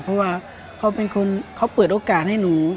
เพราะว่าเขาเป็นคนเขาเปิดโอกาสให้หนู